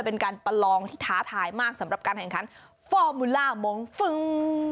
เป็นการประลองที่ท้าทายมากสำหรับการแข่งขันฟอร์มูล่ามงฟึ้ง